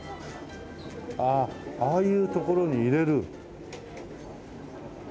ああああいうところに入れる。